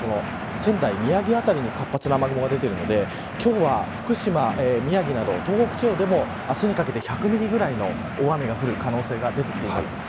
仙台、宮城辺りに活発な雨雲が出ているので今日は福島宮城など東北地方でも明日にかけて１００ミリぐらいの大雨が降る可能性が出てきています。